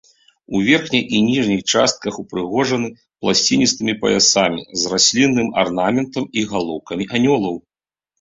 У верхняй і ніжняй частках упрыгожаны пласціністымі паясамі з раслінным арнаментам і галоўкамі анёлаў.